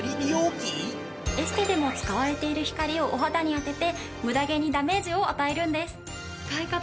エステでも使われている光をお肌に当ててムダ毛にダメージを与えるんです。